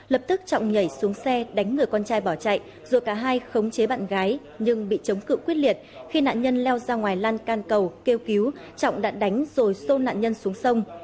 lập tức trọng nhảy xuống xe đánh người con trai bỏ chạy rồi cả hai khống chế bạn gái nhưng bị chống cự quyết liệt khi nạn nhân leo ra ngoài lan can cầu kêu cứu trọng đã đánh rồi xô nạn nhân xuống sông